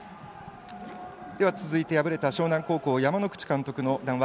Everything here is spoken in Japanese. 続いて、敗れた樟南高校の山之口監督の談話